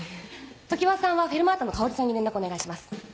常葉さんは『フェルマータ』のかおりさんに連絡お願いします。